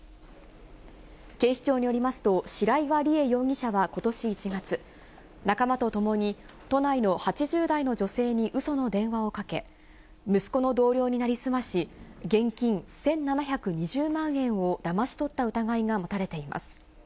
警視庁によりますと、白岩理慧容疑者はことし１月、仲間と共に都内の８０代の女性にうその電話をかけ、息子の同僚に成り済まし、現金１７２０万円をだまし取った疑いが持たれています。